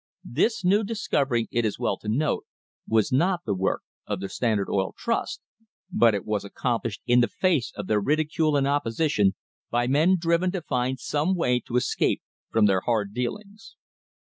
This new discovery, it is well to note, was not the work of the Standard Oil Trust, but it was accomplished in the face of their ridi cule and opposition by men driven to find some way to escape from their hard dealings.